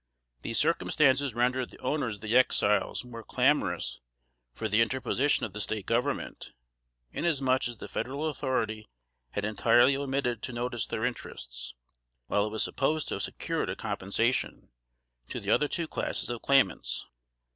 These circumstances rendered the owners of the Exiles more clamorous for the interposition of the State Government, inasmuch as the federal authority had entirely omitted to notice their interests, while it was supposed to have secured a compensation to the other two classes of claimants.